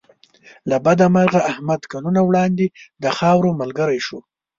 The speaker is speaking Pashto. له بده مرغه احمد کلونه وړاندې د خاورو ملګری شو.